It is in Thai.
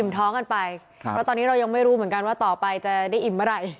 ท้องกันไปเพราะตอนนี้เรายังไม่รู้เหมือนกันว่าต่อไปจะได้อิ่มเมื่อไหร่